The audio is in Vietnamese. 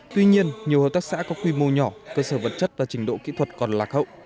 tuy nhiên nhiều hợp tác xã có quy mô nhỏ cơ sở vật chất và trình độ kỹ thuật còn lạc hậu